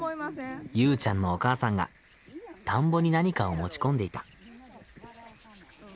ゆうちゃんのお母さんが田んぼに何かを持ち込んでいた。